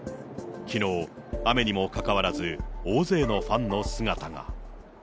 きのう、雨にもかかわらず、大勢のファンの姿が。